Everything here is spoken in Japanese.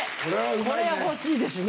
これは欲しいですね。